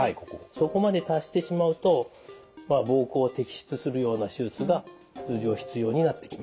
そこまで達してしまうと膀胱摘出するような手術が通常必要になってきます。